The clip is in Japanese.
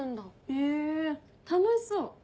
へぇ楽しそう。